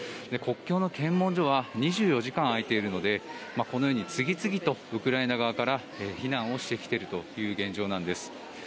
国境の検問所は２４時間開いているのでこのように次々とウクライナ側から避難をしてきているという現状なんです。